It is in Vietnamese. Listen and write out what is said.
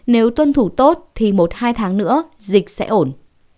nếu tuân thủ tốt thì một hai tháng nữa dịch sẽ ổn